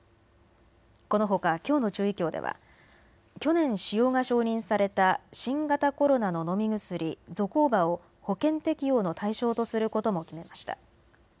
このほか、きょうの中医協では去年、使用が承認された新型コロナの飲み薬ゾコーバを保険適用の対象とすることも決めました。